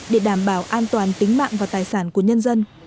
để đảm bảo an toàn tính mạng và tài sản của nhân dân